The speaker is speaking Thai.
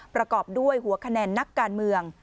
ประกอบด้วยหัวคะแนนนักการเมือง